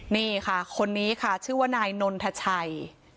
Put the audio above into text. นี่ค่ะคนนี้ค่ะชื่อว่านายนนทชัย